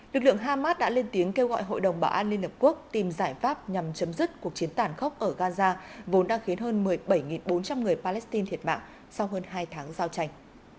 lực lượng hamas đã lên tiếng kêu gọi hội đồng bảo an liên hợp quốc tìm giải pháp nhằm chấm dứt cuộc chiến tàn khốc ở gaza vốn đã khiến hơn một mươi bảy bốn trăm linh người palestine thiệt mạng sau hơn hai tháng giao tranh